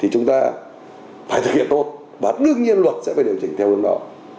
thì chúng ta phải thực hiện tốt và đương nhiên luật sẽ phải điều chỉnh theo luật đó